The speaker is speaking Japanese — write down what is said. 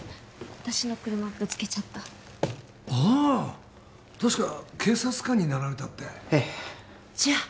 私の車ぶつけちゃったああっ確か警察官になられたってええじゃ！